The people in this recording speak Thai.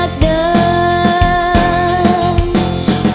กับทางที่เลือกเดิน